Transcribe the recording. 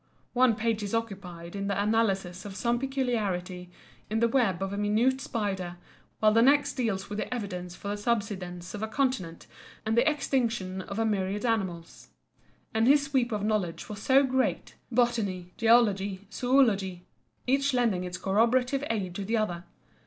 One page is occupied in the analysis of some peculiarity in the web of a minute spider, while the next deals with the evidence for the subsidence of a continent and the extinction of a myriad animals. And his sweep of knowledge was so great—botany, geology, zoology, each lending its corroborative aid to the other.